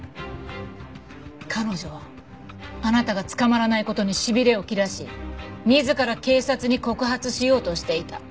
彼女はあなたが捕まらない事にしびれを切らし自ら警察に告発しようとしていた。